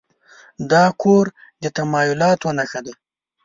دا کور د تمایلاتو نښه ده.